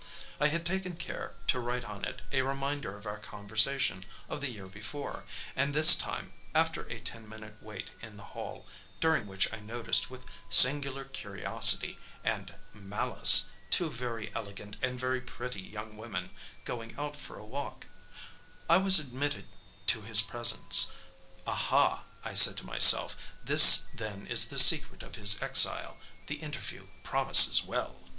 I had taken care to write on it a reminder of our conversation of the year before, and this time, after a ten minute wait in the hall, during which I noticed with singular curiosity and malice two very elegant and very pretty young women going out for a walk, I was admitted to his presence. "Aha," I said to myself, "this then is the secret of his exile; the interview promises well!"